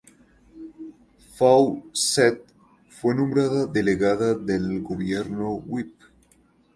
Fawcett fue nombrada Delegada del Gobierno Whip.